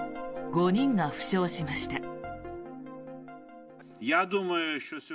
５人が負傷しました。